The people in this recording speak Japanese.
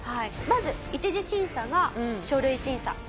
まず１次審査が書類審査。